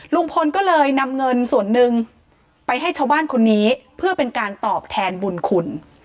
ลุงพลก็เลยนำเงินส่วนหนึ่งไปให้ชาวบ้านคนนี้เพื่อเป็นการตอบแทนบุญคุณ